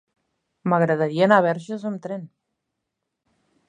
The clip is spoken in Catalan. M'agradaria anar a Verges amb tren.